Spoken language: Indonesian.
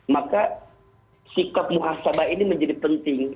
maka sikap muhasabah ini menjadi penting